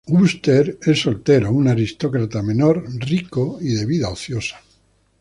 Wooster es soltero, un aristócrata menor, rico y de vida ociosa.